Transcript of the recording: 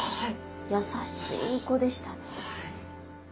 優しい子でしたね。